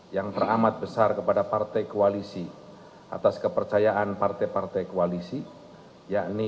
yang teramat besar kepada partai koalisi atas kepercayaan partai partai koalisi